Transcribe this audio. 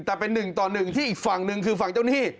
แต่เป็น๑ต่อ๑ที่อีกฝั่งหนึ่งคือฝั่งเจ้าหนี้